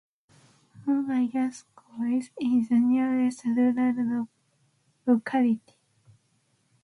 Mogilyovskoye is the nearest rural locality.